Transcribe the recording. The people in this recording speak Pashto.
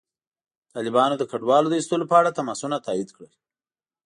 طالبانو د کډوالو د ایستلو په اړه تماسونه تایید کړل.